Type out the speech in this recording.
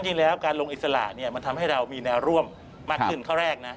จริงแล้วการลงอิสระเนี่ยมันทำให้เรามีแนวร่วมมากขึ้นข้อแรกนะ